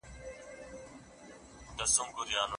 د کار د چاپیریال د ښه والي غوښتنه وشوه.